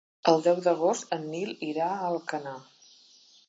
El deu d'agost en Nil irà a Alcanar.